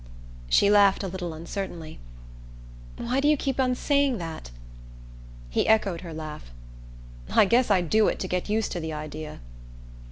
She laughed a little uncertainly. "Why do you keep on saying that?" He echoed her laugh. "I guess I do it to get used to the idea."